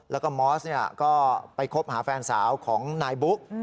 แล้วก็มอสก็ไปคบหาแฟนสาวของนายบุ๊ก